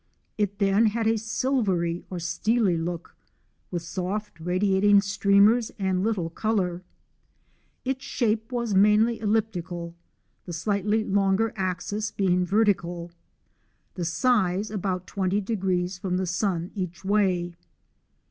It then had a silvery or steely look, with soft radiating streamers and little colour ; its shape was mainly elliptical, the slightly longer axis being vertical ; the size about 20° from the sun each way.